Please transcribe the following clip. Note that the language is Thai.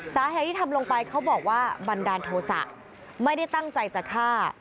สาเหตุที่ทำลงไปเขาบอกว่าบันดาลโทษะไม่ได้ตั้งใจจะฆ่า